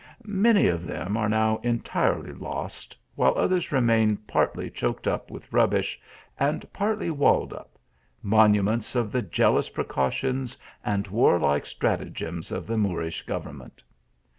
Many of them are now entirely lost, while others remain, partly choked up with rubbish, and partly walled up monuments of the jealous precautions and warlike stratagems of the Moorish government.